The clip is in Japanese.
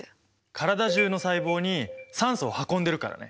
体中の細胞に酸素を運んでるからね。